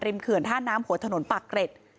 เขื่อนท่าน้ำหัวถนนปากเกร็ด